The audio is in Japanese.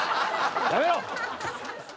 やめろ！